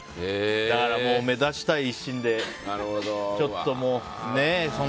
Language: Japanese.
だから目立ちたい一心でちょっとね。